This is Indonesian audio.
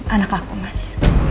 anak aku mas